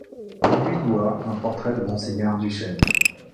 On lui doit un portrait de Monseigneur Duchesne.